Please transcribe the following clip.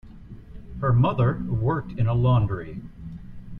Her mother worked in a laundry.